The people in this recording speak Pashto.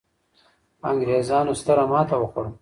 انګرېزانو ستره ماته وخوړه.